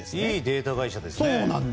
いいデータ会社ですね。